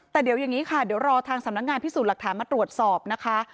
แต่เดี๋ยวอย่างนี้ค่ะเดี๋ยวรอทางสำนักงานพิสูจน์หลักฐานมาตรวจสอบนะคะ